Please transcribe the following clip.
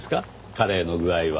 カレーの具合は。